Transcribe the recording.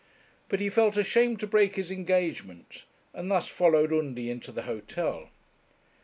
But he felt ashamed to break his engagement, and thus followed Undy into the hotel.